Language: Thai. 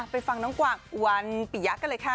ไปฟังตั้งกว่าวันปียักษ์กันเลยค่ะ